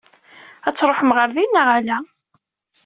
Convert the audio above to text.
Ad truḥem ɣer din neɣ ala?